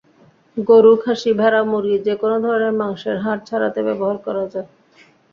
গরু, খাসি, ভেড়া, মুরগি—যেকোনো ধরনের মাংসের হাড় ছাড়াতে ব্যবহার করা যায়।